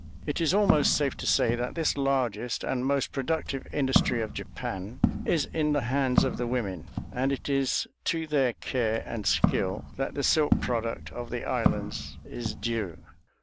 It is almost safe to say that this largest and most productive industry of Japan is in the hands of the women; and it is to their care and skill that the silk product of the islands is due.